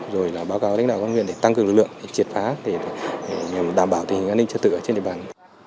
rồi là báo cáo đánh đạo con huyện để tăng cường lực lượng triệt phá để đảm bảo tình hình an ninh trật tự ở trên địa bàn